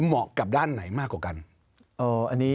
เหมาะกับด้านไหนมากกว่ากัน